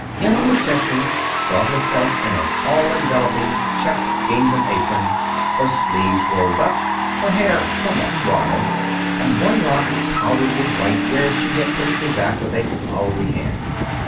Emma McChesney saw herself in an all enveloping checked gingham apron, her sleeves rolled up, her hair somewhat wild, and one lock powdered with white where she had pushed it back with a floury hand.